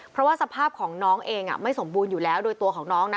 เพราะว่าสภาพของน้องเองไม่สมบูรณ์อยู่แล้วโดยตัวของน้องนะ